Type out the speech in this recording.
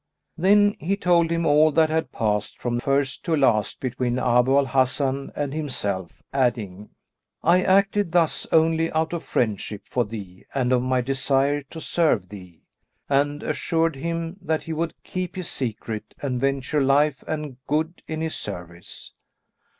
Then he told him all that had passed from first to last between Abu al Hasan and himself, adding, "I acted thus only out of friendship for thee and of my desire to serve thee;" and assured him that he would keep his secret and venture life and good in his service.